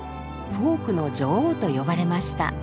フォークの女王と呼ばれました。